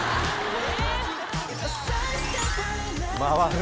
え